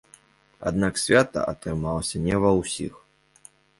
Аднак свята атрымалася не ва ўсіх.